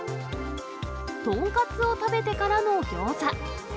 豚カツを食べてからのギョーザ。